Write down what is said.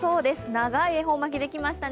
長い恵方巻きできましたね。